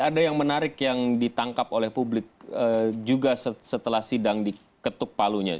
ada yang menarik yang ditangkap oleh publik juga setelah sidang diketuk palunya